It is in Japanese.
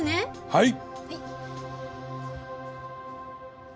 はい。